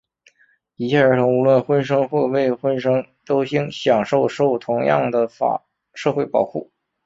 一切儿童,无论婚生或非婚生,都应享受同样的社会保护。